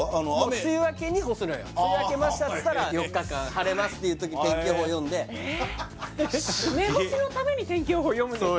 梅雨明けましたっつったら４日間晴れますっていう時に天気予報読んですげえ梅干しのために天気予報読むんですか？